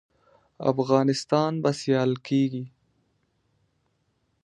افغانستان به سیال کیږي